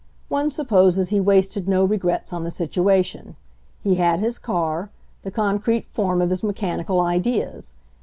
One supposes he wasted no regrets on the situ ation. He had his car, the concrete form of his mechanical ideas.